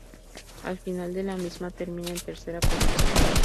Al final de la misma, termina en tercera posición.